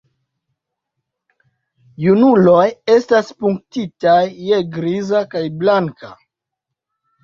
Junuloj estas punktitaj je griza kaj blanka.